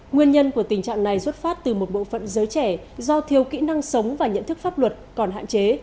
nguyên nhân của tình trạng này xuất phát từ một bộ phận giới trẻ do thiếu kỹ năng sống và nhận thức pháp luật còn hạn chế